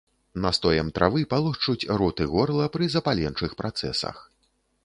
Настоем травы палошчуць рот і горла пры запаленчых працэсах.